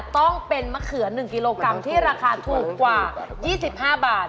ต้องเป็นมะเขือ๑กิโลกรัมที่ราคาถูกกว่า๒๕บาท